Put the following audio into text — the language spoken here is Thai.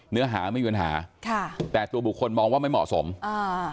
เนื้อหาไม่มีปัญหาค่ะแต่ตัวบุคคลมองว่าไม่เหมาะสมอ่า